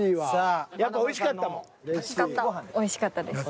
やっぱおいしかったです。